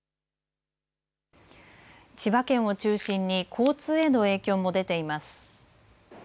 千葉県を中心に交通への影響も出ています。